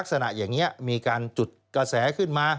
ลักษณะอย่างนี้มีการจุดกระแสขึ้นมา